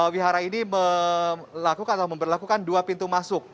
wihara ini melakukan atau memperlakukan dua pintu masuk